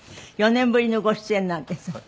４年ぶりのご出演なんです。